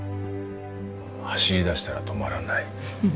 走り出したら止まらない。